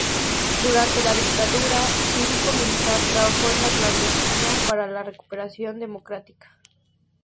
Durante la dictadura cívico-militar, trabajó en la clandestinidad para la recuperación democrática.